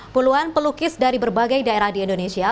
puluhan pelukis dari berbagai daerah di indonesia